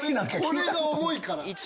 これが重いから！